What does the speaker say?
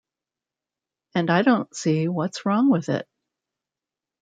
And I don't see what's wrong with it.